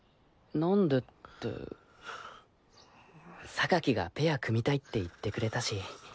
なんでってがペア組みたいって言ってくれたし。